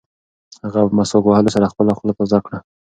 هغه په مسواک وهلو سره خپله خوله تازه کړه.